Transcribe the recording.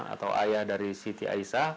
atau ayah dari siti aisyah